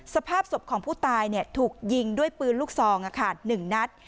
สภาพศพของผู้ตายถูกยิงด้วยปืนลูกซอง๑นัด